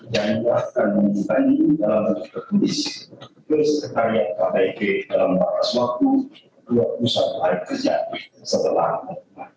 jangan lupa kami mencari dalam petunjuk keputusannya terus saya akan membaiki dalam waktu waktu untuk bisa baik kerja setelah kesan